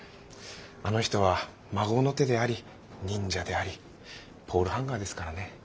あの人は孫の手であり忍者でありポールハンガーですからね。